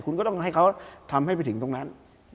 คุณก็ต้องให้เขาทำให้ไปถึงตรงนั้น